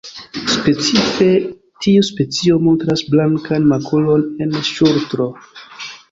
Specife tiu specio montras blankan makulon en ŝultro.